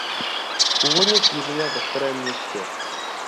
Původně sídlila ve Starém Městě.